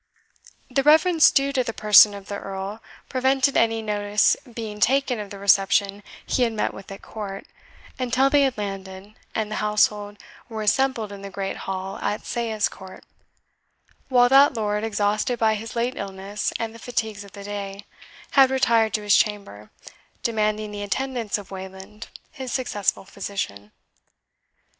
The reverence due to the person of the Earl prevented any notice being taken of the reception he had met with at court, until they had landed, and the household were assembled in the great hall at Sayes Court; while that lord, exhausted by his late illness and the fatigues of the day, had retired to his chamber, demanding the attendance of Wayland, his successful physician.